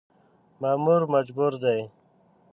مامور مجبور دی .